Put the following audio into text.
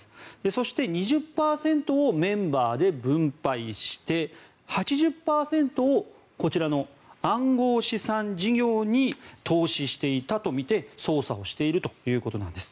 そして２０％をメンバーで分配して８０％をこちらの暗号資産事業に投資していたとみて捜査をしているということなんです。